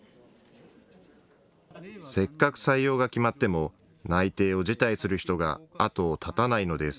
せっかく採用が決まっても内定を辞退する人が後を絶たないのです。